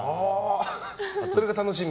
それが楽しみ？